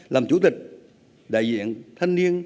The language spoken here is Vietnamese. làm chủ tịch đại diện thanh niên